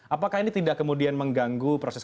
apakah ini tidak kemudian mengganggu proses